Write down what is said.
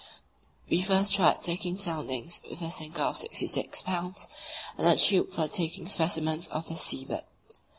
We first tried taking soundings with a sinker of 66 pounds, and a tube for taking specimens of the sea bed.